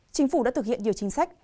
chính phủ đã thực hiện nhiều chính sách